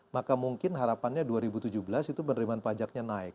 maka mungkin harapannya dua ribu tujuh belas itu penerimaan pajaknya naik